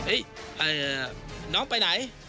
เอ๊ะน้องไปไหน